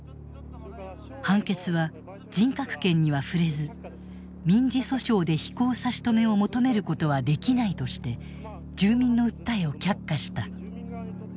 判決は人格権には触れず民事訴訟で飛行差し止めを求めることはできないとして住民の訴えを却下した。